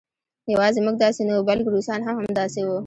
یوازې موږ داسې نه وو بلکې روسان هم همداسې وو